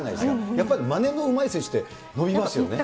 やっぱりまねのうまい選手って伸びますよね。